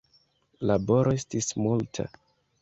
Laboro estis multa.